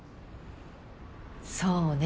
そうね。